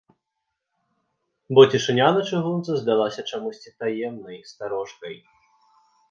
Бо цішыня на чыгунцы здалася чамусьці таемнай, старожкай.